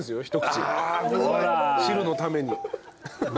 汁のために。